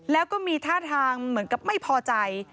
แล้วก็มีท่าทางเหมือนกับไม่พอใจ